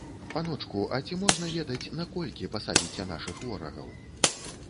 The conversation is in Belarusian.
Паночку, а ці можна ведаць, на колькі пасадзіце нашых ворагаў?